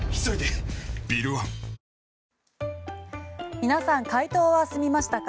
皆さん、解答は済みましたか？